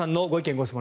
・ご質問